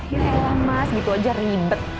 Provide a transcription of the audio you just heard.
ya elah mas gitu aja ribet